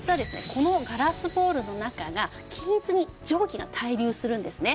このガラスボウルの中が均一に蒸気が対流するんですね。